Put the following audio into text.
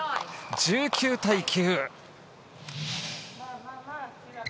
１９対９。